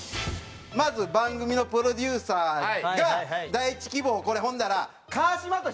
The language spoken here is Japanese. まず番組のプロデューサーが第１希望をこれほんなら川島としましょう。